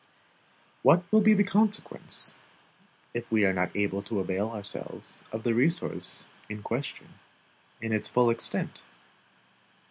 What will be the consequence, if we are not able to avail ourselves of the resource in question in its full extent?